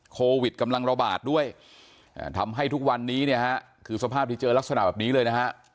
โควิดกำลังระบาดด้วยทำให้ทุกวันนี้เนี่ยฮะคือสภาพที่เจอลักษณะแบบนี้เลยนะฮะ